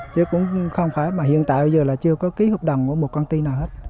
chứ cũng không phải mà hiện tại bây giờ là chưa có ký hợp đồng của một công ty nào hết